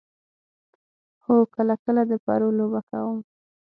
هو، کله کله د پرو لوبه کوم